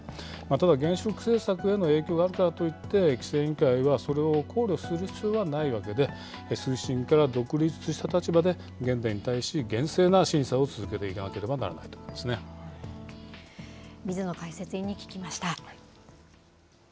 ただ、原子力政策への影響があるからといって、規制委員会はそれを考慮する必要はないわけで、から独立した立場で原電に対し、厳正な審査を続けていかなければ水野解説委員に聞きました。